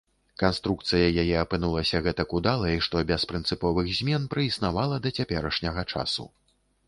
Канструкцыя яе апынулася гэтак удалай, што без прынцыповых змен праіснавала да цяперашняга часу.